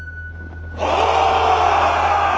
お！